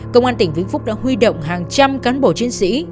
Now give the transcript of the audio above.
công an tỉnh vĩnh phúc đã huy động hàng trăm cán bộ chiến sĩ